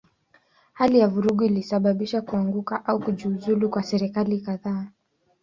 Hali ya vurugu ilisababisha kuanguka au kujiuzulu kwa serikali kadhaa.